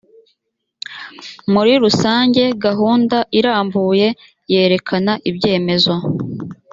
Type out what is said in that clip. muri rusange gahunda irambuye yerekana ibyemezo